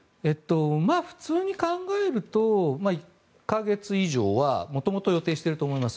普通に考えると１か月以上は元々、予定していると思います。